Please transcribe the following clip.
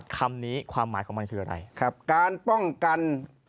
คำนี้ความหมายของมันคืออะไร